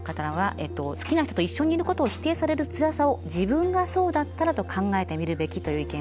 「好きな人と一緒にいることを否定されるつらさを自分がそうだったらと考えてみるべき」という意見を頂きました。